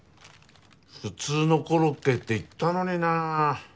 普通のコロッケって言ったのにな。